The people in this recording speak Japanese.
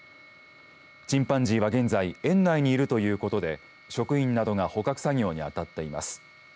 チンパンジーは現在園内にいるということで職員などが捕獲作業に当たっています。